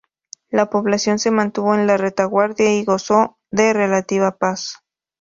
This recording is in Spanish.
La población se mantuvo en la retaguardia y gozó de relativa paz.